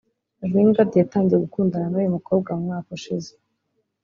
Lingard yatangiye gukundana n’uyu mukobwa mu mwaka ushize